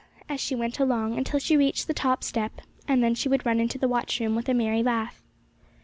as she went along, until she reached the top step, and then she would run into the watchroom with a merry laugh.